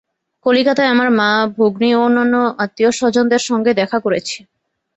কলিকাতায় আমার মা, ভগ্নী ও অন্যান্য আত্মীয়-স্বজনদের সঙ্গে দেখা করেছি।